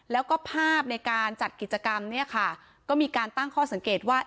แล้วก็ภาพในการจัดกิจกรรมเนี่ยค่ะก็มีการตั้งข้อสังเกตว่า